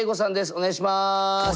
お願いします。